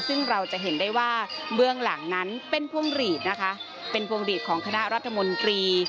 ซึ่งเราจะเห็นได้ว่าเบื้องหลังนั้นเป็นพวงหลีดนะคะเป็นพวงหลีดของคณะรัฐมนตรี